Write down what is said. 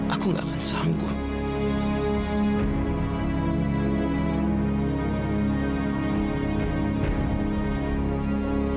aku gak akan sanggup